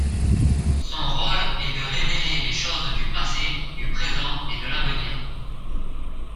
Son rôle est de révéler les choses du passé, du présent et de l'avenir.